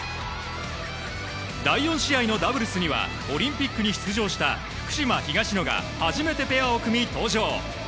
第４試合のダブルスにはオリンピックに出場した福島、東野が初めてペアを組み登場。